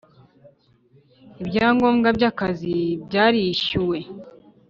Ibyangombwa by abakozi byarishyuwe